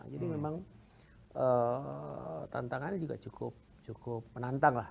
jadi memang tantangannya juga cukup menantang lah